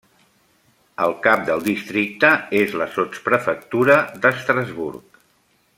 El cap del districte és la sotsprefectura d'Estrasburg.